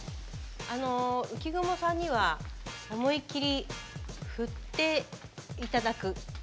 あの浮雲さんには思いきり振って頂く。